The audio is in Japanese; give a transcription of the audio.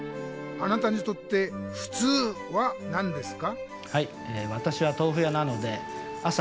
あなたにとって「ふつう」は何ですか？